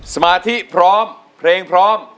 สมาธิพร้อมเพลงพร้อม